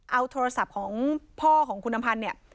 เอาโทรศัพท์ของพ่อของคุณอำพันธ์เนี่ย